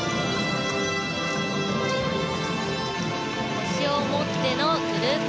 腰を持ってのグループ